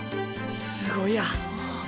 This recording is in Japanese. すごいや。